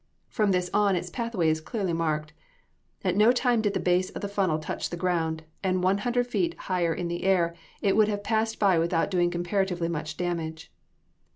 From this on its pathway is clearly marked. At no time did the base of the funnel touch the ground, and one hundred feet higher in the air, it would have passed by without doing comparatively much damage.